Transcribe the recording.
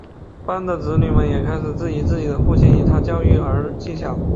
班的子女们也开始质疑自己的父亲与他的育儿技巧。